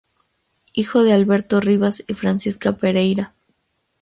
Hijo de Alberto Rivas y Francisca Pereira.